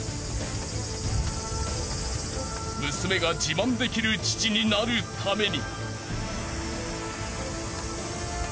［娘が自慢できる父になるために］